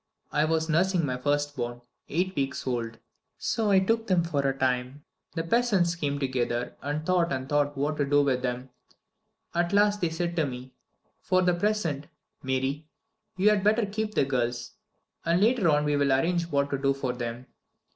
I was nursing my first born eight weeks old. So I took them for a time. The peasants came together, and thought and thought what to do with them; and at last they said to me: 'For the present, Mary, you had better keep the girls, and later on we will arrange what to do for them.'